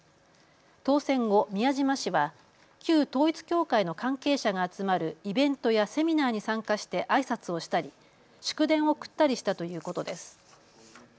当選後、宮島氏は旧統一教会の関係者が集まるイベントやセミナーに参加してあいさつをしたり祝電を送ったりしたということです。